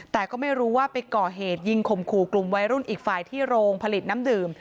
แต่ก็ไม่รู้ว่าไปก่อเหตุยิงข่มขู่กลุ่มวัยรุ่นอีกฝ่ายที่โรงผลิตน้ำดื่ม